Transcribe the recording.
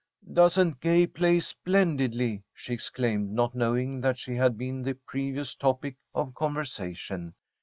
"Doesn't Gay play splendidly?" she exclaimed, not knowing that she had been the previous topic of conversation.